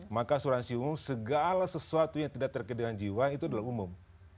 maka asuransi umum segala sesuatu yang tidak terkait dengan jiwa itu adalah umum